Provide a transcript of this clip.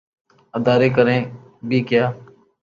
ادارے کریں بھی کیا۔